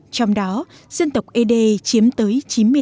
trong đó dân tộc ede chiếm tới chín mươi tám